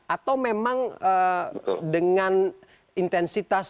atau memang dengan intensitas